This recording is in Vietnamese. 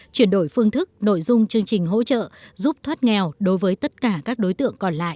chuyển đổi phương thức nội dung chương trình hỗ trợ giúp thoát nghèo đối với tất cả các đối tượng còn lại